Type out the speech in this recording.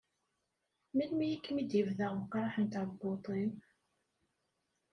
Melmi i kem-id-yebda uqraḥ n tɛebbuḍt-im?